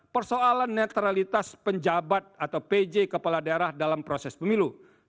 persoalan netralitas penjabat atau pj kepala daerah dalam proses pemilu